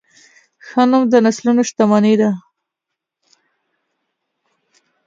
ښه نوم د نسلونو شتمني ده.